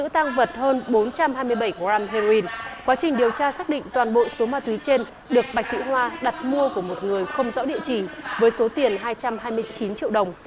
tăng vật quá trình điều tra xác định toàn bộ số ma túy trên được bạch thị hoa đặt mua của một người không rõ địa chỉ với số tiền hai trăm hai mươi chín triệu đồng